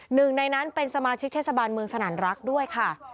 หนึ่งในนั้นเป็นสมาชิกเทศบาลเมืองสนั่นรักด้วยค่ะ